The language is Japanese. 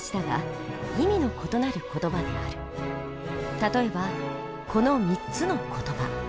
例えばこの３つの言葉。